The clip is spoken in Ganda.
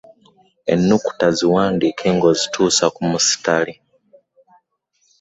Ennukuta ziwandike ng'ozituuza ku mu sittale.